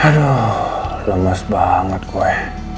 aduh lemes banget gue